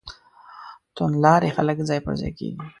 توندلاري خلک ځای پر ځای کېږي.